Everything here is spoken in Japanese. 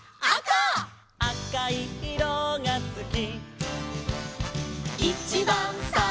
「あおいいろがすき」